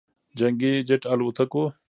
جنګي جت الوتکو